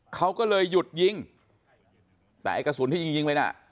เขาก็เลยหยุดยิงแต่ไอ้กระสุนที่ยิงยิงไปน่ะ